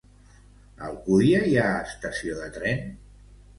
A Alcúdia hi ha estació de tren?